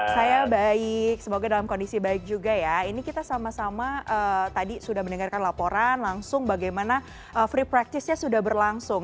saya baik semoga dalam kondisi baik juga ya ini kita sama sama tadi sudah mendengarkan laporan langsung bagaimana free practice nya sudah berlangsung